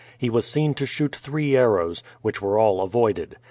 He was seen to shoot three arrows, wiiich were all avoided.